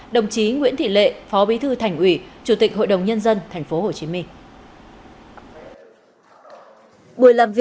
đồng chí nguyễn thị lệ phó bí thư thành ủy chủ tịch hội đồng nhân dân tp hcm